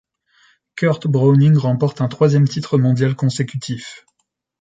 Kurt Browning remporte un troisième titre mondial consécutif.